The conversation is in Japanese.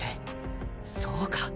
そうか。